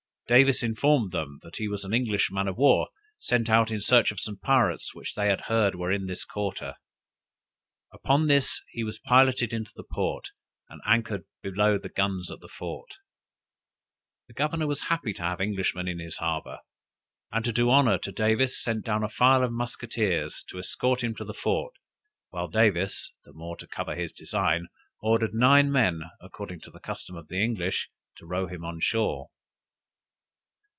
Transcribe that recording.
Davis informed them, that he was an English man of war, sent out in search of some pirates which they had heard were in this quarter. Upon this, he was piloted into the port, and anchored below the guns at the fort. The governor was happy to have Englishmen in his harbor; and to do honor to Davis, sent down a file of musqueteers to escort him into the fort, while Davis, the more to cover his design, ordered nine men, according to the custom of the English, to row him on shore.